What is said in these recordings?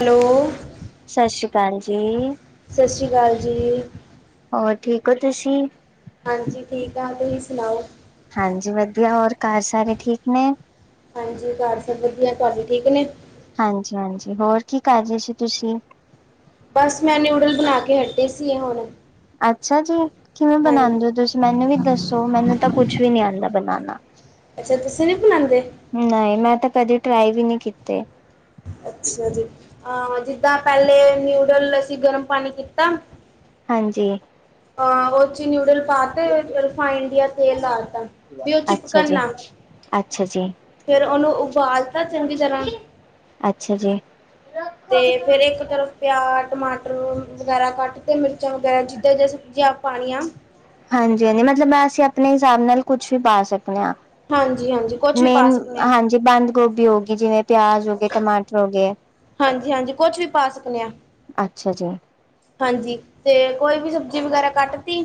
Hello ਸਤਿ ਸ਼੍ਰੀ ਅਕਾਲ ਜੀ। ਸਤਿ ਸ਼੍ਰੀ ਅਕਾਲ ਜੀ। ਹੋਰ ਠੀਕ ਹੋ ਤੁਸੀਂ। ਹਾਂਜੀ ਠੀਕ ਆ ਤੁਸੀਂ ਸੁਣਾਓ। ਹਾਂਜੀ ਵਧੀਆ ਹੋਰ ਘਰ ਸਾਰੇ ਠੀਕ ਨੇ। ਹਾਂਜੀ ਘਰ ਸਭ ਵਧੀਆ ਤੁਹਾਡੇ ਠੀਕ ਨੇ? ਹਾਂਜੀ-ਹਾਂਜੀ ਹੋਰ ਕੀ ਕਾੱਰ ਰੇ ਸੀ ਤੁਸੀ ਬਾੱਸ ਮੈਂ ਨਿਊਡਲ ਬਨਾ ਕੇ ਹਟੇ ਸੀ ਹੁਣ। ਅੱਛਾ ਜੀ, ਕਿਵੇਂ ਹਾਂਜੀ ਬਨਾਂਦੇ ਓ ਤੁਸੀ ਮੈਨੂੰ ਵੀ ਦੱਸੋ ਮੈਨੂੰ ਤਾ ਕੁਛ ਵੀ ਨੀ ਆਂਦਾ ਬਨਾਨਾ। ਅੱਛਾ ਤੁਸੀ ਵੀ ਬਨਾਂਦੇ। ਨਈ ਮੈਂ ਤੇ ਕਦੇ ਟਰਾਈ ਵੀ ਨੀ ਕੀਤੇ। ਅੱਛਾ ਜੀ ਅਹ ਜਿੱਦਾਂ ਪਹਿਲੇ ਨਿਊਡਲ ਅਸੀਂ ਗਰਮ ਪਾਣੀ ਕੀਤਾ ਹਾਂਜੀ। ਹਾਂ ਉਹ ਨਿੂਡਲ ਪਾ ਤੇ ਰਿਫਾਈੰਡ ਤੇਲ ਲਾ ਤਾ ਵੀ ਉਹ ਅੱਛਾ ਜੀ। ਚਿਪਕਨਾ ਅੱਛਾ ਜੀ। ਫਿਰ ਉਹਨੂੰ ਉਬਾਲਤਾ ਚੰਗੀ ਤਰ੍ਹਾਂ। ਅੱਛਾ ਜੀ। ਤੇ ਫਿਰ ਇੱਕ ਤਰਫ ਪਿਆਜ਼ ਟਮਾਟਰ ਵਗੈਰਾ ਕੱਟ। ਤੇ ਮਿਰਚਾਂ ਵਗੈਰਾ ਜਿੱਦਾਂ ਸਬਜ਼ੀਆਂ ਪਾਣੀਆਂ। ਹਾਂਜੀ ਹਾਂਜੀ ਮਤਲਬ ਮੈਂ ਅਸੀਂ ਆਪਣੇ ਹਿਸਾਬ ਨਾਲ ਕੁਛ ਵੀ ਪਾ ਸਕਦੇ ਹਾਂ। ਹਾਂਜੀ ਹਾਂਜੀ ਕੁਛ ਵੀ ਪਾ ਮੇਨ ਸਕਨੇ ਆ ਹਾਂਜੀ ਬੰਦ ਗੋਭੀ ਹੋ ਗਈ ਜਿਵੇਂ ਪਿਆਜ ਹੋ ਗਏ ਟਮਾਟਰ ਹੋ ਗਏ। ਹਾਂਜੀ ਹਾਂਜੀ ਕੁਛ ਵੀ ਪਾ ਸਕਦੇ ਹਾਂ। ਅੱਛਾ ਜੀ। ਹਾਂਜੀ, ਤੇ ਕੋਈ ਵੀ ਸਬਜ਼ੀ ਵਗੈਰਾ ਕੱਟ ਤੀ।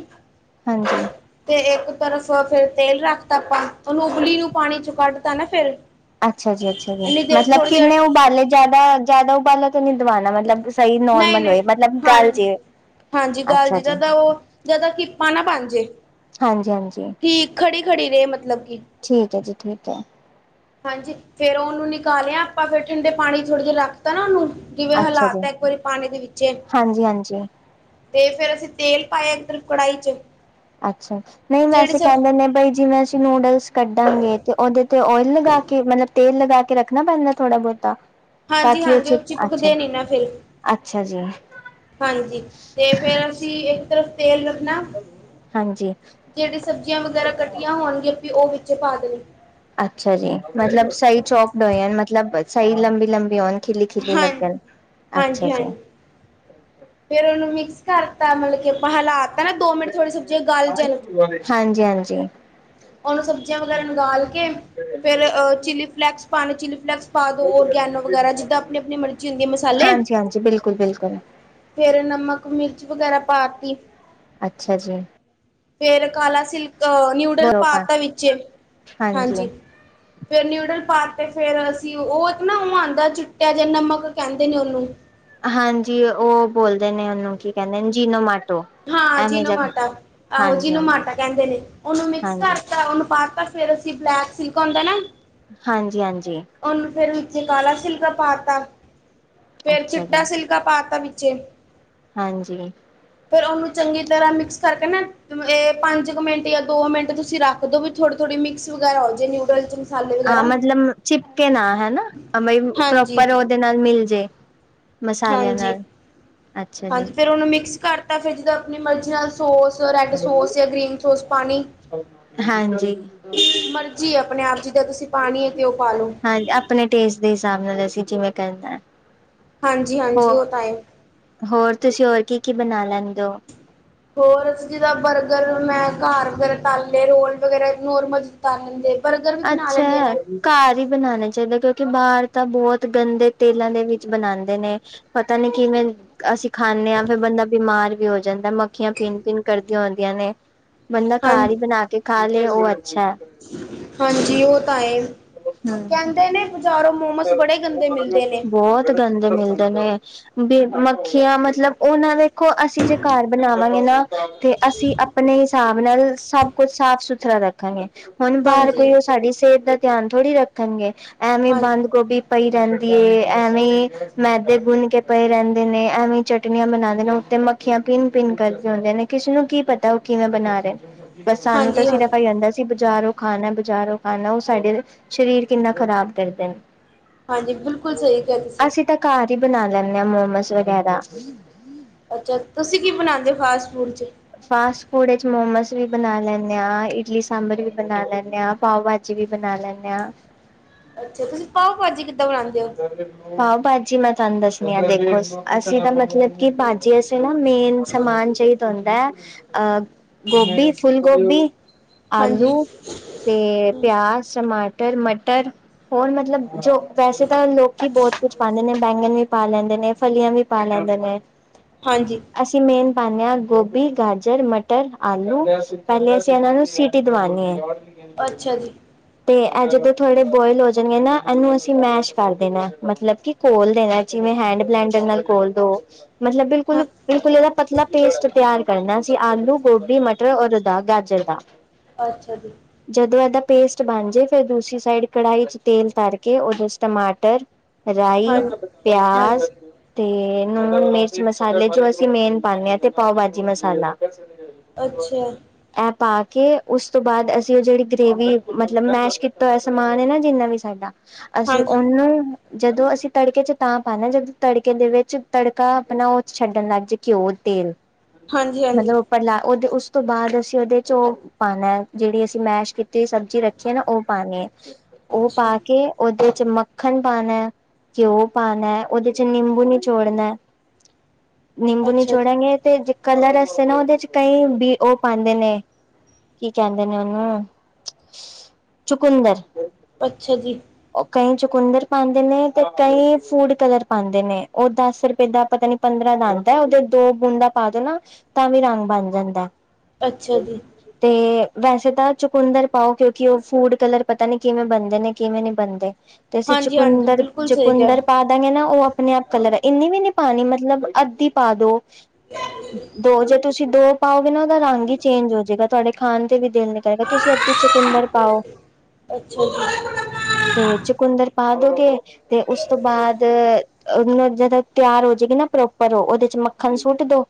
ਹਾਂਜੀ। ਤੇ ਇੱਕ ਤਰਫ ਫਿਰ ਤੇਲ ਰੱਖ ਤਾ ਆਪਾਂ ਉਹਨੂੰ ਉਬਲੀ ਨੂੰ ਪਾਣੀ ਚ ਕੱਢ ਤਾਂ ਨਾ ਫਿਰ ਅੱਛਾ ਜੀ ਅੱਛਾ ਜੀ ਇੰਨੀ ਦੇਰ ਮਤਲਬ ਥੋੜ੍ਹੀ ਦੇਰ ਕਿੰਨੇ ਉਬਾਲੇ ਜਿਆਦਾ ਜਿਆਦਾ ਉਬਾਲਾ ਤਾਂ ਨੀ ਦਵਨਣਾ ਮਤਲਬ। ਸਹੀ ਨਹੀਂ ਨੋਰਮਲ ਹੋਏ ਨਹੀਂ ਮਤਲਬ ਗੱਲ ਜੇ ਹਾਂਜੀ ਹਾਂਜੀ ਗੱਲ ਅੱਛਾ ਜੀ ਜਿੱਦਾਂ ਦਾ ਉਹ ਜ਼ਿਆਦਾ ਕਿਪਾ ਨਾ ਬਣ ਜੇ। ਹਾਂਜੀ ਹਾਂਜੀ। ਠੀਕ ਖੜੀ ਖੜੀ ਰਹੇ ਮਤਲਬ ਕੀ। ਠੀਕ ਹੈ ਜੀ ਠੀਕ ਹੈ। ਹਾਂਜੀ ਫਿਰ ਉਹਨੂੰ ਨਿਕਾਲਿਆ ਆਪਾਂ ਫਿਰ ਠੰਡੇ ਪਾਣੀ ਥੋੜੇ ਜਿਹੇ ਰੱਖਤਾ ਨਾ ਉਹਨੂੰ ਕਿਵੇਂ ਅੱਛਾ ਜੀ ਹਾਲਾਤ ਹੈ ਇੱਕ ਵਾਰੀ ਪਾਣੀ ਦੇ ਵਿੱਚ। ਹਾਂਜੀ ਹਾਂਜੀ ਤੇ ਫਿਰ ਅਸੀਂ ਤੇਲ ਪਾਇਆ ਇਧਰ ਕੜਾਹੀ ਚ ਅੱਛਾ ਨਹੀਂ ਜਿਹੜੀ ਵੈਸੇ ਸਬ ਕਹਿੰਦੇ ਨੇ ਬਈ ਜਿਵੇਂ ਅਸੀਂ ਨੂਡਲਸ ਕੱਢਾਂਗੇ ਤੇ ਉਹਦੇ ਤੇ ਓਇਲ ਲਗਾ ਕੇ ਮਤਲਬ ਤੇਲ ਲਗਾ ਕੇ ਰੱਖਣਾ ਪੈਂਦਾ ਥੋੜਾ ਬਹੁਤਾ ਤਾਂ ਕੀ ਉਹ ਹਾਂਜੀ-ਹਾਂਜੀ ਚਿੱਪ ਅੱਛਾ ਚਿਪਕਦੇ ਨੀ ਨਾ ਫਿਰ ਅੱਛਾ ਜੀ। ਹਾਂਜੀ ਤੇ ਫਿਰ ਅਸੀਂ ਇੱਕ ਤਰਫ ਤੇਲ ਰੱਖਣਾ ਹਾਂਜੀ। ਜਿਹੜੀ ਸਬਜ਼ੀਆਂ ਵਗੈਰਾ ਕੱਟੀਆਂ ਹੋਣਗੀਆਂ ਉਹ ਵਿੱਚ ਪਾ ਦੇ। ਅੱਛਾ ਜੀ ਮਤਲਬ ਸਹੀ ਚੌਕ ਡਏ ਮਤਲਬ ਸਹੀ ਲੰਬੀ ਲੰਬੀ। ਬਿਲੋਨ ਖਿਲੇ ਖਿਲੇ ਹਾਂ ਲੱਗਣ, ਅੱਛਾ ਜੀ। ਫਿਰ ਉਹਨੂੰ ਮਿਕਸ ਕਰਤਾ ਮਤਲਬ ਕਿ ਆਪਾਂ ਹਲਾਤਾ ਹਾਂਜੀ ਹਾਂਜੀ। ਉਹਨੂੰ ਸਬਜ਼ੀਆਂ ਵਗੈਰਾ ਉਬਾਲ ਕੇ। ਫਿਰ ਚਿੱਲੀ ਫਲੇੈਕਸ ਪਾਉਣੇ ਚਿੱਲੀ ਫਲੇਕਸ ਪਾ ਦਿਓ ਔਰਗੈਨੋ ਵਗੈਰਾ ਜਿੱਦਾਂ ਆਪਣੀ ਆਪਣੀ ਮਰਜ਼ੀ ਹੁੰਦੀ ਹੈ ਮਸਾਲੇ ਜੀ ਬਿਲਕੁਲ ਬਿਲਕੁਲ। ਫਿਰ ਨਮਕ ਮਿਰਚ ਵਗੈਰਾ ਪਾ ਤੀ। ਅੱਛਾ ਜੀ। ਫਿਰ ਕਾਲਾ ਸਿਰਕਾ ਨਿਊਡਲ ਪਾ ਤਾ ਵਿੱਚ ਹਾਂਜੀ। ਫਿਰ ਨਿਊਡਲ ਪਾ ਤੇ ਫਿਰ ਅਸੀਂ ਉਹ ਨਾ ਉਹ ਆਉਂਦਾ ਚੁਟਿਆ ਜੇ ਨਮਕ ਕਹਿੰਦੇ ਨੇ ਉਹਨੂੰ। ਹਾਂਜੀ ਉਹ ਬੋਲਦੇ ਨੇ ਉਹਨੂੰ ਕੀ ਕਹਿੰਦੇ ਨੇ ਜੀਨੋਮਾਟੋ। ਹਾਂ ਜੀਨੋ ਮਾਟਾ ਆਹੋ ਜਿਨੂੰ ਹਾਂਜੀ ਮਾਟਾ ਕਹਿੰਦੇ ਨੇ ਉਹਨੂੰ ਮਿਕਸ ਹਾਂਜੀ ਕਰਤਾ ਉਹਨੂੰ ਪਾ ਤਾ। ਫੇਰ ਅਸੀਂ ਬਲੈਕ ਸਿਲਕ ਆਉਂਦਾ ਨਾ। ਹਾਂਜੀ ਹਾਂਜੀ। ਉਹਨੂੰ ਫੇਰ ਵਿੱਚੇ ਕਾਲਾ ਸਿਲਕਾ ਪਾ ਤਾ ਫੇਰ ਅੱਛਾ ਚਿੱਟਾ ਜੀ ਸਿਲਕਾ ਪਾ ਤਾ ਵਿੱਚੇ ਹਾਂਜੀ। ਫਿਰ ਉਹਨੂੰ ਚੰਗੀ ਤਰ੍ਹਾਂ ਮਿਕਸ ਕਰਕੇ ਨਾ ਇਹ ਪੰਜ ਕੁ ਮਿੰਟ ਜਾਂ ਦੋ ਮਿੰਟ ਤੁਸੀਂ ਰੱਖ ਦਿਓ ਵੀ ਥੋੜੀ ਥੋੜ੍ਹੀ ਮਿਕਸ ਵਗੈਰਾ ਹੋ ਜਾਵੇ ਨੂਡਲ ਚ ਮਸਾਲੇ ਹਾਂ ਵਗੈਰਾ ਮਤਲਬ ਚਿਪਕੇ ਨਾ ਹਨਾ ਬਈ ਹਾਂਜੀ ਪ੍ਰੋਪਰ ਉਹਦੇ ਨਾਲ ਮਿਲ ਜੇ। ਮਸਾਲਿਆਂ ਹਾਂਜੀ ਨਾਲ ਅੱਛਾ ਜੀ ਹਾਂਜੀ ਫੇਰ ਉਹਨੂੰ ਮਿਕਸ ਕਰਤਾ ਫਿਰ ਜਦੋਂ ਆਪਣੀ ਮਰਜ਼ੀ ਨਾਲ ਸੋਸ ਰੈਡ ਸੋਸ ਜਾਂ ਗ੍ਰੀਨ ਸੋਸ ਪਾਣੀ ਹਾਂਜੀ ਮਰਜ਼ੀ ਆਪਣੇ ਆਪ ਜਿੱਦਾਂ ਤੁਸੀਂ ਪਾਣੀ ਹੈ ਤੇ ਉਹ ਪਾਲੋ। ਹਾਂ ਆਪਣੇ ਟੇਸਟ ਦੇ ਹਿਸਾਬ ਨਾਲ ਅਸੀਂ ਜਿਵੇਂ ਕਰਨਾ। ਹਾਂਜੀ ਹਾਂਜੀ ਹੋ ਉਹ ਤਾਂ ਹੈ। ਹੋਰ ਤੁਸੀਂ ਹੋਰ ਕੀ ਕੀ ਬਣਾ ਲੈਂਦੇ ਹੋ। ਹੋਰ ਜਿੱਦਾਂ ਬਰਗਰ ਮੈਂ ਘਰ ਵਗੈਰਾ ਤਾਲੇ ਰੋਲ ਵਗੈਰਾ ਨਰਮਲ ਤਾਲ ਲੈਂਦੇ। ਬਰਗਰ ਵੀ ਬਣਾ ਅੱਛਾ ਲੈਂਣੀ ਹਾਂ ਮੈਂ। ਘਰ ਹੀ ਬਣਾਉਣਾ ਚਾਹੀਦਾ ਕਿਉਂਕਿ ਬਾਹਰ ਤਾਂ ਬਹੁਤ ਗੰਦੇ ਤੇਲਾਂ ਦੇ ਵਿੱਚ ਬਣਾਉਂਦੇ ਨੇ। ਪਤਾ ਨੀ ਕਿਵੇਂ ਅਸੀਂ ਖਾਣੇ ਹਾਂ ਫਿਰ ਬੰਦਾ ਬਿਮਾਰ ਵੀ ਹੋ ਜਾਂਦਾ ਮੱਖੀਆਂ ਭਿਣ ਭਿਣ ਕਰਦੀਆਂ ਹੁੰਦੀਆਂ ਨੇ। ਬੰਦਾ ਹਾਂ ਘਰ ਹੀ ਬਣਾ ਕੇ ਖਾ ਲਏ ਉਹ ਅੱਛਾ ਹੈ। ਹਾਂਜੀ ਉਹ ਤਾਂ ਹੈ ਹਮ ਕਹਿੰਦੇ ਨੇ ਬਜ਼ਾਰੋਂ ਮੋਮਸ ਬੜੇ ਗੰਦੇ ਮਿਲਦੇ ਨੇ। ਬਹੁਤ ਗੰਦੇ ਮਿਲਦੇ ਨੇ। ਬੀ ਮੱਖੀਆਂ ਮਤਲਬ ਉਹ ਨਾ ਦੇੇਖੋ ਅਸੀਂ ਜੇ ਘਰ ਬਣਾਵਾਂਗੇ ਨਾ। ਤੇ ਅਸੀਂ ਆਪਣੇ ਹਿਸਾਬ ਨਾਲ ਸਭ ਕੁਛ ਸਾਫ ਸੁਥਰਾ ਰੱਖਾ ਗੇ ਹੁਣ ਬਾਹਰ ਹਾਂਜੀ ਕੋਈ ਉਹ ਸਾਡੀ ਸਿਹਤ ਦਾ ਧਿਆਨ ਥੋੜ੍ਹੀ ਰੱਖਣਗੇ ਐਵੇਂ ਹਾਂ ਬੰਦ ਗੋਭੀ ਪਈ ਰਹਿੰਦੀ ਏ ਐਵੇਂ ਮੈਦੇ ਗੁੰਨ ਕੇ ਪਏ ਰਹਿੰਦੇ ਨੇ ਐਵੇਂ ਚਟਨੀ ਆਂ ਬਣਾਉਂਦੇ ਨੇ ਉਤੇ ਮੱਖੀਆਂ ਭਿੰਨ ਭਿੰਨ ਕਰਦੇ ਹੁੰਦੇ ਨੇ ਕਿਸੇ ਨੂੰ ਕੀ ਪਤਾ ਉਹ ਕਿਵੇਂ ਬਣਾ ਰਹੇ। ਬਸ ਸਾਨੂੰ ਤਾਂ ਹਾਂਜੀ ਸਿਰਫ ਆਹੀ ਹਾਂਜੀ ਆਂਦਾ। ਅਸੀਂ ਬਾਜ਼ਾਰੋਂ ਖਾਣਾ ਬਜ਼ਾਰੋਂ ਖਾਣਾ ਉਹ ਸਾਡੇ ਸ਼ਰੀਰ ਕਿੰਨਾ ਖ਼ਰਾਬ ਕਰਦੇ ਨੇ। ਹਾਂਜੀ ਬਿਲਕੁਲ ਸਹੀ ਕਿਹਾ ਤੁਸੀਂ। ਅਸੀਂ ਤਾਂ ਘਰ ਹੀ ਬਣਾ ਲੈਂਦੇ ਹਾਂ ਮੋਮੋਸ ਵਗੈਰਾ। ਅੱਛਾ ਤੁਸੀਂ ਕੀ ਬਣਾਉਂਦੇ ਹੋ ਫਾਸਟ ਫੂਡ ਚ। ਫਾਸਟ ਫੂਡ ਵਿੱਚ ਮੋਮੋਸ ਵੀ ਬਣਾ ਲੈਂਦੇ ਹਾਂ ਇਡਲੀ ਸਾਂਬਰ ਵੀ ਬਣਾ ਲੈਂਦੇ ਆ ਪਾਵ। ਵੀ ਬਣਾ ਲੈਂਦੇ ਹਾਂ। ਅੱਛਾ ਤੁਸੀਂ ਪਾਓ ਭਾਜੀ ਕਿੱਦਾਂ ਬਣਾਉਂਦੇ ਹੋ। ਪਾਓ ਭਾਜੀ ਮੈਂ ਤੁਹਾਨੂੰ ਦੱਸਣੀ ਆ ਦੇਖੋ ਅਸੀਂ ਤਾਂ ਮਤਲਬ ਕਿ ਭਾਜੀ। ਚ ਅਸੀਂ ਨਾ ਮੇਨ ਸਮਾਨ ਚਾਹੀਦਾ ਹੁੰਦਾ ਹੈ। ਅ ਗੋਭੀ ਫੁੱਲ ਗੋਭੀ ਹਾਂਜੀ ਆਲੂ। ਤੇ ਪਿਆਜ ਟਮਾਟਰ ਮਟਰ ਹੋਰ ਮਤਲਬ ਜੋ ਵੈਸੇ। ਤਾਂ ਲੋਕੀ ਬਹੁਤ ਕੁਝ ਪਾਉਂਦੇ ਨੇ ਬੈਂਗਣ ਵੀ ਪਾ ਲੈਂਦੇ ਨੇ ਫਲੀਆਂ ਵੀ ਪਾ ਲੈਂਦੇ ਨੇ। ਹਾਂਜੀ। ਅਸੀਂ ਮੇਨ ਪਾਦੇ ਹਾਂ ਗੋਭੀ ਗਾਜਰ ਮਟਰ ਆਲੂ ਪਹਿਲੇ ਅਸੀਂ ਇਹਨਾਂ ਨੂੰ ਸੀ। ਟੀ ਦਵਾਨੇ ਹੈ। ਅੱਛਾ ਜੀ ਤੇ ਅ ਜਦੋਂ ਥੋੜੇ ਬੋਇਲ ਹੋ ਜਾਣਗੇ ਨਾ ਇਹਨੂੰ ਅਸੀਂ ਮੈਸ਼। ਕਰ ਦੇਣਾ ਮਤਲਬ ਕਿ ਘੋਲ ਦੇਣਾ ਜਿਵੇਂ ਹੈਂਡ ਬਲੈਂਡਰ ਨਾਲ ਘੋਲ ਦੋ ਮਤਲਬ ਹਾਂ ਬਿਲਕੁਲ। ਬਿਲਕੁਲ ਇਹਦਾ ਪਤਲਾ ਪੇਸਟ ਤਿਆਰ ਕਰਨਾ ਅਸੀ ਆਲੂ ਗੋਭੀ ਮਟਰ ਔਰ ਉਹਦਾ ਗਾਜਰ ਦਾ। ਅੱਛਾ ਜੀ। ਜਦੋਂ ਇਹਦਾ ਪੇਸਟ ਬਣ ਜੇ ਫਿਰ ਦੂਸਰੀ ਸਾਈਡ ਕੜਾਹੀ ਚ ਤੇਲ ਧਰ ਕੇ ਉਦੋਂ। ਟਮਾਟਰ ਰਾਈ ਹਾਂ ਹਾਂ ਪਿਆਜ਼। ਤੇ ਨੂੰਣ ਮਿਰਚ ਮਸਾਲੇ ਜੋ ਅਸੀਂ ਮੇਨ ਪਾਂਦੇ ਹਾਂ ਤੇ ਪਾਓ ਭਾਜੀ ਮਸਾਲਾ। ਅੱਛਾ। ਇਹ ਪਾ ਕੇ ਉਸ ਤੋਂ ਬਾਅਦ ਅਸੀਂ ਉਹ ਜਿਹੜੀ ਗ੍ਰੇਵੀ ਮਤਲਬ ਮੈਸ਼ ਕੀਤਾ ਹੋਇਆ ਸਮਾਨ ਐ ਨਾ ਜਿੰਨਾ ਵੀ ਸਾਡਾ। ਅਸੀਂ। ਹਾਂਜੀ ਨੂੰ ਜਦੋਂ ਅਸੀਂ ਤੜਕੇ ਚ ਤਾਂ ਪਾਣਾ ਜਦੋਂ ਤੜਕੇ ਦੇ ਵਿੱਚ ਤੜਕਾ ਆਪਣਾ ਓਹ। ਛੱਡਣ ਲੱਗ ਜੇ ਘਿਓ ਤੇਲ ਹਾਂਜੀ ਹਾਂਜੀ ਮਤਲਬ ਪਹਿਲਾ ਉਹ ਉਸ ਤੋਂ ਬਾਅਦ ਅਸੀਂ ਉਹਦੇ ਚੋ। ਪਾਣਾ ਜਿਹੜੀ ਅਸੀਂ ਮੈਸ਼ ਕੀਤੀ ਸਬਜ਼ੀ ਰੱਖੀ ਹੈ ਨਾ ਉਹ ਪਾਣੀ ਐ। ਉਹ ਅੱਛਾ ਪਾ ਕੇ ਉਹਦੇ। ਚ ਮੱਖਣ ਪਾਣਾ ਘਿਓ ਪਾਣਾ ਉਹਦੇ ਚ ਨਿੰਬੂ ਨਿਚੋੜਨਾ। ਨਿੰਬੂ ਅੱਛਾ ਜੀ ਨਿਚੋੜਾਂਗੇ ਤੇ ਕਲਰ ਵਾਸਤੇ ਨਾ ਉਹਦੇ ਚ ਕਈ ਬੀ ਉਹ ਪਾਂਦੇ ਨੇ। ਕੀ ਕਹਿੰਦੇ ਨੇ ਉਹਨੂੰ ਚੁਕੰਦਰ। ਅੱਛਾ ਜੀ। ਕਈ ਚੁਕੰਦਰ ਪਾਂਦੇ ਨੇ ਤੇ ਕਈ ਫੂਡ ਕਲਰ ਪਾਂਦੇ ਨੇ ਉਹ ਦਸ ਰੁਪਏ ਦਾ ਪਤਾ ਨੀ। ਪੰਦਰਾਂ ਦਾ ਆਂਦਾ ਉਹਦੇ ਦੋ ਬੂੰਦਾਂ ਪਾ ਦੇ ਨਾ ਤਾਂ ਵੀ ਰੰਗ ਬਣ ਜਾਂਦਾ। ਅੱਛਾ ਜੀ। ਤੇ ਵੈਸੇ ਤਾਂ ਚੁਕੰਦਰ ਪਾਓ ਕਿਉਂਕਿ ਉਹ ਫੂਡ ਕਲਰ ਪਤਾ ਨੀ ਕਿਵੇਂ ਬਣਦੇ ਨੇ ਕਿਵੇਂ ਨਈ। ਬਣਦੇ ਤੂੰਸੀਂ ਹਾਂਜੀ ਹਾਂਜੀ ਚੁਕੰਦਰ ਬਿਲਕੁਲ ਸਹੀ ਕਿਹਾ ਚੁਕੰਦਰ ਪਾ ਲਾਂਗੇ ਨਾ ਉਹ ਆਪਣੇ ਆਪ ਕਲਰ ਹੈ, ਇੰਨੀ ਵੀ ਨੀ ਪਾਣੀ ਮਤਲਬ ਅੱਧੀ ਪਾ ਦੋ। ਦੋ ਜੇ ਤੁਸੀਂ ਦੋ। ਪਾਓ ਵੀ ਨਾ ਉਹਦਾ ਰੰਗ ਹੀ ਚੇਂਜ ਹੋਜੇਗਾ ਤੁਹਾਡੇ ਖਾਣ ਦਾ ਵੀ ਦਿਲ ਨ ਕਰੇਗਾ ਤੁਸੀਂ ਅੱਧੀ ਚਕੁੰਦਰ ਪਾਓ। ਅੱਛਾ ਜੀ। ਤੇ ਚੁਕੰਦਰ ਪਾ ਦੋਗੇ ਤੇ ਉਸ ਤੋਂ ਬਾਅਦ। ਉਹਨੂੰ ਜਦੋਂ ਤਿਆਰ ਹੋ ਜਾਏਗੀ ਨਾ ਪ੍ਰੋਪਰ ਉਹਦੇ ਚ ਮੱਖਣ ਸੁੱਟ ਦੋ।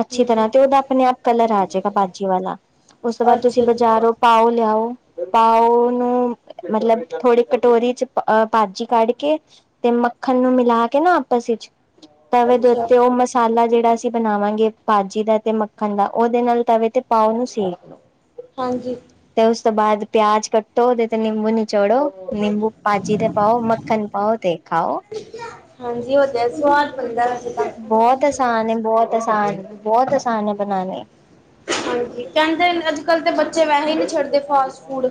ਅੱਛੀ ਹਮ ਤਰ੍ਹਾਂ ਤੇ ਉਹਦਾ ਆਪਣੇ ਆਪ ਕਲਰ ਆ ਜਾਏਗਾ ਭਾਜੀ ਵਾਲਾ, ਉਸ ਤੋਂ ਬਾਅਦ ਤੁਸੀਂ ਅੱਛਾ ਜੀ ਬਾਜ਼ਾਰੋ। ਪਾਓ ਲਿਆਓ ਪਾਓ ਨੂੰ ਮਤਲਬ ਥੋੜੀ ਕਟੋਰੀ ਚ ਭਾਜੀ ਕੱਢ ਕੇ ਤੇ ਮੱਖਣ ਨੂੰ ਮਿਲਾ ਕੇ ਨਾ ਆਪਸ ਵਿੱਚ। ਤਵੇ ਦੇ ਅੱਛਾ ਉਤੇ ਉਹ ਮਸ ਮਸਾਲਾ ਜਿਹੜਾ ਅਸੀਂ ਬਣਾਵਾਂਗੇ ਭਾਜੀ ਦਾ, ਤੇ ਮੱਖਣ ਦਾ ਉਹਦੇ ਨਾਲ ਤਵੇ ਤੇ ਪਾਓ ਉਹਨੂੰ ਸੇਕ [unintelligible] ਹਾਂਜੀ। ਤੇ ਉਸ ਤੋਂ ਬਾਅਦ ਪਿਆਜ ਕੱਟੋ, ਉਹਦੇ ਤੇ ਨਿੰਬੂ ਨਿ ਨਿਚੜੋ ਨਿੰਬੂ ਪਾਜੀ ਤੇ ਪਾਓ, ਮੱਖਣ ਪਾਓ ਤੇ ਖਾਓ। ਹਾਂਜੀ, ਉਹਦਾ ਸਵਾਦ ਬਣਦਾ ਹਜੇ ਤੱਕ ਬਹੁਤ ਆਸਾਨ ਏ, ਬਹੁਤ ਆਸਾਨ ਏ, ਬਹੁਤ ਆਸਾਨ ਏ ਬਣਾਣੇ। ਹਾਂਜੀ ਕਹਿੰਦੇ ਅੱਜ ਕੱਲ੍ਹ ਤੇ ਬੱਚੇ ਵੈਸੇ ਹੀ ਨਹੀਂ ਛੱਡਦੇ ਫਾਸਟ ਫੂਡ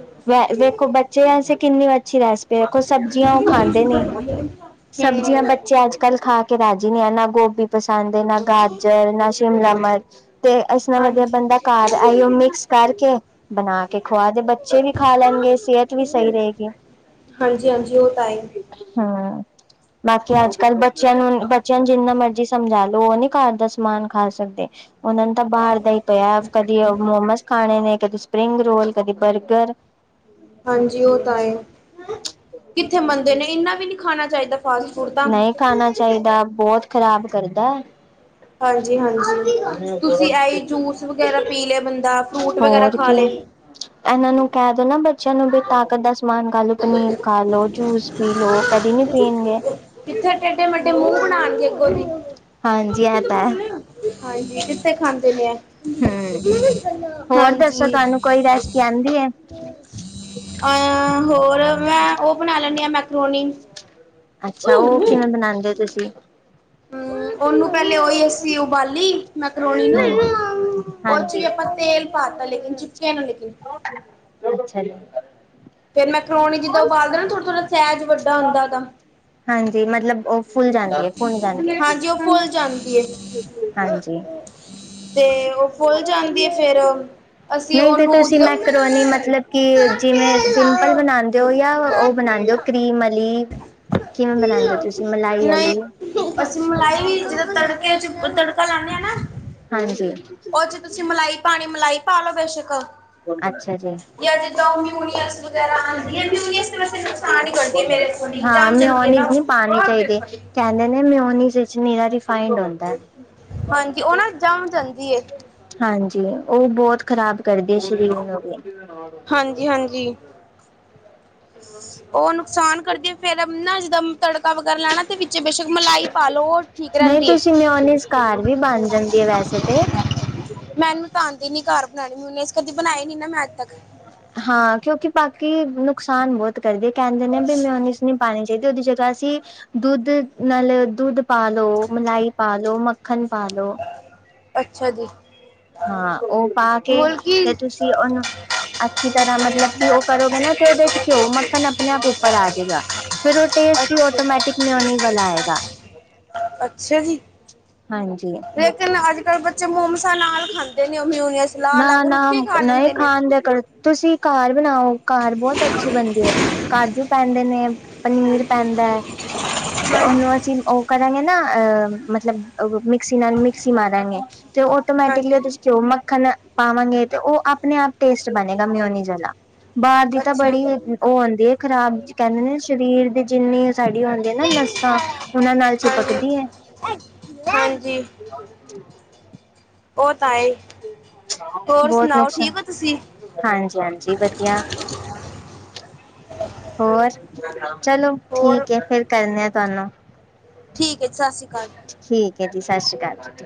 ਦੇਖੋ ਬੈ ਬੱਚੇ ਵੈਸੇ ਕਿੰਨੀ ਅੱਛੀ ਰੈਸਪੀ ਦੇਖੋ, ਸਬਜ਼ੀਆਂ ਉਹ ਖਾਂਦੇ ਨੀ, ਸਬਜ਼ੀਆਂ ਹਮ ਬੱਚੇ ਅੱਜ ਕੱਲ ਖਾ ਕੇ ਰਾਜੀ ਨੇ ਆ, ਨਾ ਗੋਭੀ ਪਸੰਦ ਐ, ਨਾ ਗਾਜਰ ਨਾ ਸ਼ਿਮਲਾ ਮਿਰਚ ਤੇ ਇਸ ਨਾਲ ਵਧੀਆ ਹਾਂਜੀ ਬਣਦਾ, ਘਰ ਆਈਓ ਮਿਕਸ ਕਰਕੇ ਬਣਾ ਕੇ ਖੁਆ ਦੇ ਬੱਚੇ ਵੀ ਖਾ ਲੈਣਗੇ, ਸਿਹਤ ਵੀ ਸਹੀ ਰਹੇਗੀ। ਹਾਂਜੀ ਹਾਂਜੀ ਉਹ ਤਾਂ ਹੈ ਹੂੰ, ਬਾਕੀ ਅੱਜ-ਕੱਲ੍ਹ ਬੱਚਿਆਂ ਨੂੰ-ਬੱਚਿਆਂ ਨੂੰ ਜਿੰਨਾ ਮਰਜ਼ੀ ਜੀ ਸਮਝਾ ਲੋ ਉਹ ਨੀ ਘਰ ਦਾ ਸਮਾਨ ਖਾ ਸਕਦੇ, ਉਹਨਾਂ ਨੂੰ ਤਾਂ ਬਾਹਰ ਦਾ ਹੀ ਪਿਆ। ਕਦੀ ਮੋਮੋਜ਼ ਖਾਣੇ ਨੇ, ਕਦੀ ਸਪਰਿੰਗ ਰੋਲ, ਕਦੀ ਬਰਗਰ ਹਾਂਜੀ ਉਹ ਤਾਂ ਏ ਕਿੱਥੇ ਮੰਨਦੇ ਨੇ, ਇੰਨਾ ਵੀ ਨਹੀਂ ਖਾਣਾ ਚਾਹੀਦਾ ਫਾਸਟ ਫੂਡ। ਤਾਂ ਨਹੀਂ ਖਾਣਾ ਚਾਹੀਦਾ, ਬਹੁਤ ਖਰਾਬ ਕਰਦਾ। ਹਾਂਜੀ-ਹਾਂਜੀ, ਤੁਸੀਂ ਐਹੀ ਜੂਸ ਵਗੈਰਾ ਪੀ ਲਏ, ਬੰਦਾ ਫਰੂਟ ਵਗੈਰਾ ਹੋਰ ਖਾ ਕੀ ਲਏ। ਇਹਨਾਂ ਨੂੰ ਕਹਿ ਦੋ ਨਾ, ਬੱਚਿਆਂ ਨੂੰ ਵੀ ਤਾਕਤ ਦਾ ਸਮਾਨ ਕੱਲ ਪਨੀਰ ਖਾ ਲਓ, ਜੂਸ ਪੀ ਲਓ, ਕਦੀ ਨੀ ਪੀਣਗੇ। ਕਿੱਥੇ ਟੇਡੇ ਮੇਡੇ ਮੂੰਹ ਬਨਾਣਗੇ ਅੱਗੋ ਦੀ। ਹਾਂਜੀ ਐਹ ਤਾਂ ਐ। ਹਾਂਜੀ ਕਿੱਥੇ ਖਾਂਦੇ ਨੇ ਆ ਹੂੰ ਹੋਰ ਦੱਸੋ ਹਾਂਜੀ। ਤੁਹਾਨੂੰ ਕੋਈ ਰੈਸਪੀ ਆਂਦੀ ਹੈ ਅਹ ਹੋਰ ਮੈਂ ਉਹ ਬਣਾ ਲੈਣੀ ਆ ਮੈਕਰੋਨੀ ਅੱਛਾ, ਉਹ ਕਿਵੇਂ ਬਣਾਉਂਦੇ ਤੁਸੀਂ? ਹੂੰ ਉਹਨੂੰ ਪਹਿਲੇ ਓਹੀ ਅਸੀਂ ਉਬਾਲੀ ਮੈਂ ਕਰੋਣੀ ਨੂੰ ਹੂੰ ਉਹ ਚ ਵੀ ਹਾਂਜੀ ਆਪਾਂ। ਤੇਲ ਪਾਤਾ ਲੇਕਿਨ ਚੁਪਕੇ ਨੂੰ ਲੇਕਿਨ ਅੱਛਾ, ਫੇ ਮੈਂ ਕਰੋਣੀ ਜਿੱਦਾ ਉਬਾਲਦਾ ਨਾ ਥੋੜਾ-ਥੋੜ੍ਹਾ ਸਹਿਜ ਵੱਡਾ ਹੁੰਦਾ। ਹਾਂਜੀ, ਮਤਲਬ ਉਹ ਫੁੱਲ ਜਾਣਗੇ ਫੁੱਲ ਜਾਣਗੇ। ਹਾਂਜੀ ਉਹ ਫੁੱਲ ਜਾਂਦੀ ਏ ਹਾਂਜੀ, ਤੇ ਉਹ ਫੁੱਲ ਜਾਂਦੀ ਏ ਫੇਰ ਅਸੀਂ ਨਹੀਂ ਤੇ ਉਹਨੂੰ ਤੁਸੀਂ ਮੈਂ ਜਦੋਂ ਕਰੋਣੀ ਮਤਲਬ ਕਿ ਜਿਵੇਂ ਸਿੰ ਪਲ ਬਣਾਦੇ ਔਰ ਜਾਂ ਉਹ ਬਣਾਦੇ ਓ ਕਰੀਮ ਅਲੀ। ਕਿਵੇਂ ਬਣਾਉਂਦੇ ਹੋ, ਤੁਸੀਂ ਮਲਾਈ ਨਹੀਂ ਵਾਲੀ ਅਸੀਂ ਮਲਾਈ ਵੀ ਜਿਦੋਂ ਤੜਕੇ ਚ ਤੜਕਾ ਲਾਦੇ ਹਾਂ ਨਾ ਹਾਂਜੀ, ਉਹ ਚ ਤੁਸੀਂ ਮਲਾਈ ਪਾਣੀ ਮਲਾਈ ਪਾਲੋ ਬੇਸ਼ੱਕ ਅੱਛਾ ਜੀ, ਜਾਂ ਜਿੱਦਾਂ ਉਹ ਮਿਊਨੀਸ ਵਗੈਰਾ ਆਉਂਦੀ ਹੈ, ਮਿਊਨੀ ਵਾਸ ਨੁਕਸਾਨੀ ਕਰਣਦੀ ਮੇਰੇ [unintelligible] ਹਾਂ ਚਾਮ ਚੱਲਗੇ ਮਿਓਨੀਜ਼ ਨਾ, ਨਹੀਂ ਪਾਉਣੀ ਕਹਿੰਦੇ ਨੇ ਮਿਉਨੀ ਰਿਫੇਡ ਹੁੰਦਾ। ਹਾਂਜੀ, ਉਹ ਨਾ ਜਾ ਜਾਂਦੀ ਹਾਂਜੀ, ਉਹ ਬਹੁਤ ਖਰਾਬ ਕਰਦੀ ਆ ਸਰੀਰ ਨੂੰ ਵੀ। ਹਾਂਜੀ-ਹਾਂਜੀ, ਉਹ ਨੁਕਸਾਨ ਕਰਦੀ ਫੇਰ ਨਾ ਜਿੱਦਾਂ ਤੜਕਾ ਵਗੈਰਾ ਲਾਣਾ ਤੇ ਵਿੱਚ ਬੇਸ਼ੱਕ ਮਲਾਈ ਪਾ ਲਓ ਉਹ ਠੀਕ ਨਹੀਂ ਰਹਿੰਦੀ ਹੈ ਤੁਸੀਂ ਮਿਓਨੀ ਘਰ ਚ ਵੀ ਬਣ ਜਾਂਦੀ ਹੈ ਵੈਸੇ। ਮੈਨੂੰ [unintelligible] ਤਾਂ ਆਉਂਦੇ ਨੀ ਘਰ ਬਣਾਉਣੇ ਮੈ ਉਹਨੇ ਇਸ ਕਦੇ ਬਣਾਏ ਨੀ ਨਾ ਮੈਂ ਅੱਜ ਤੱਕ। ਹਾਂ ਕਿਉਂਕਿ ਬਾਕੀ ਨੁਕਸਾਨ ਬਹੁਤ ਕਿ ਘਰਦੇ ਕਹਿੰਦੇ ਨੇ ਵੀ ਮਿਊਨੀਸ ਨੀ ਪਾਉਣੀ ਚਾਹੀਦੀ ਉਹਦੀ ਜਗ੍ਹਾ ਅਸੀਂ ਦੁੱਧ ਨਾਲ ਦੁੱਧ ਪਾ ਲੋ ਮਲਾਈ ਪਾ ਲੋ ਮੱਖਣ ਪਾ ਲੋ। ਅੱਛਾ ਜੀ ਹਾਂ ਉਹ ਪਾ ਕੇ ਮੁਲਕੀ ਤੇ ਤੁਸੀਂ ਉਹਨੂੰ ਅੱਛੀ ਤਰ੍ਹਾਂ ਮਤਲਬ ਕਿ ਉਹ ਕਰੋਗੇ ਨਾ ਤੇ ਉਹਦੇ 'ਚ ਘਿਓ ਮੱਖਣ ਆਪਣੇ ਆਪ ਉੱਪਰ ਆ ਜਾਏਗਾ। ਫਿਰ ਉਹ ਟੇਸਟ ਹੀ ਅੱਛਾ ਆਟੋਮੈਟਿਕ ਮਿਊਨੀ ਵਾਲਾ ਆਏਗਾ। ਅੱਛਾ ਜੀ ਹਾਂਜੀ ਲੇਕਿਨ ਅੱਜ ਕੱਲ ਬੱਚੇ ਮੋਮਸਾ ਨਾਲ ਖਾਂਦੇ ਨੇ ਉਹ ਮਿਊਨੀਅਸ ਲਾ ਨਾ ਲਾ ਕੇ -ਨਾ ਰੁੱਖੇ ਖਾ ਨਹੀਂ ਲੈਂਦੇ ਨੇ ਖਾਂ ਦਿਆ ਕਰ। ਤੁਸੀਂ ਘਾਰ ਬਣਾਓ ਘਾਰ ਬਹੁਤ ਅੱਛੀ ਬਣਦੀ ਹੈ ਕਾਜੂ ਪੈਂਦੇ ਨੇ ਪਨੀਰ ਪੈਂਦਾ ਤੇ ਉਹਨੂੰ ਹਾਂਜੀ ਅਸੀਂ ਉਹ ਕਰ ਐਵੇਂ ਨਾ ਅਹ ਮਤਲਬ ਮਿਕਸੀ ਨਾਲ ਮਿਕਸੀ ਮਾਰਾਂਗੇ ਤੇ ਟੋਮੈਟਿਕਲੀ ਹਾਂਜੀ ਤੁਸੀ ਘਿਓ ਮੱਖਣ ਪਾਵਾਂਗੇ ਤੇ ਉਹ ਆਪਣੇ ਆਪ ਟੇਸਟ ਬਣੇਗਾ ਮਿਊਨੀ ਜਲਾ ਬਾਹਰ ਦੀ ਤਾਂ ਅੱਛਾ ਬੜੀ ਜੀ ਉਹ ਹੁੰਦੀ ਹੈ ਖ਼ਰਾਬ ਕਹਿੰਦੇ ਨੇ ਸਰੀਰ ਦੇ ਜਿੰਨੇ ਸਾਡੀ ਹੁੰਦੀਆਂ ਨਾ ਨੱਸਾਂ ਉਹਨਾਂ ਨਾਲ ਹਾਂਜੀ ਚਿਪਕਦੀ ਏ। ਹਾਂਜੀ [inaudible] ਉਹ ਤਾਂ ਹੈ [inaudible] ਹੋਰ ਬਹੁਤ ਸੁਣਾਓ ਨਸ਼ਾ ਠੀਕ ਹੋ ਤੁਸੀਂ ਹਾਂਜੀ -ਹਾਂਜੀ ਵਧੀਆ ਹੋਰ ਚਲੋ ਹੋਰ ਠੀਕ ਹੈ ਫੇਰ ਕਰਨੇ ਆ ਤੁਹਾਨੂੰ ਠੀਕ ਹੈ ਸਤਿ ਸ਼੍ਰੀ ਅਕਾਲ। ਠੀਕ ਹੈ ਜੀ ਸਤਿ ਸ਼੍ਰੀ ਅਕਾਲ ਜੀ।